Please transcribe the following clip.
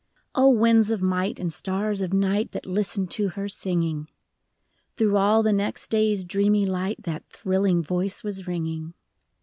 O winds of might and stars of night That listened to her singing ! Through all the next day's dreamy light That thrilling voice was ringing.